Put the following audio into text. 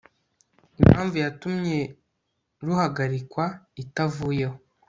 impamvu yatumye ruhagarikwa itavuyeho